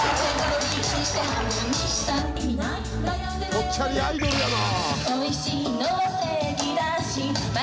「ぽっちゃりアイドルやな」